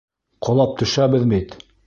Ҡолап төшәбеҙ бит!